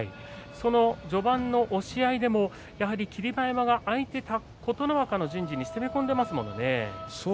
その序盤の押し合いでもやはり霧馬山が相手、琴ノ若の陣地に攻め込んでますものね。